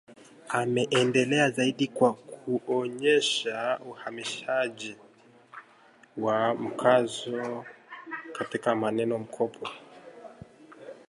ameendelea zaidi kwa kuonyesha uhamishaji wa mkazo katika maneno- mkopo